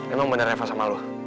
emang bener reva sama lu